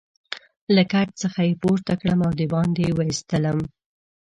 له کټ څخه يې پورته کړم او دباندې يې وایستلم.